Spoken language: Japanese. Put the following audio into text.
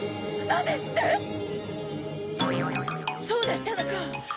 そうだったのか。